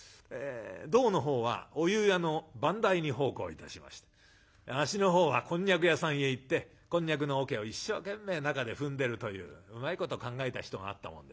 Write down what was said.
胴のほうはお湯屋の番台に奉公いたしまして足のほうはこんにゃく屋さんへ行ってこんにゃくのおけを一生懸命中で踏んでるといううまいこと考えた人があったもんで。